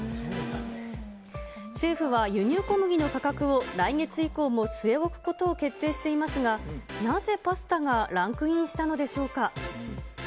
政府は輸入小麦の価格を来月以降も据え置くことを決定していますが、なぜパスタがランクインしたのでしょうか。